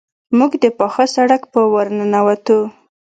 موږ د پاخه سړک په ورننوتو.